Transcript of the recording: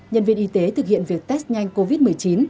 nhân viên y tế thực hiện việc test nhanh covid một mươi chín